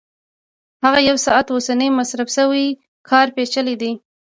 هغه یو ساعت اوسنی مصرف شوی کار پېچلی دی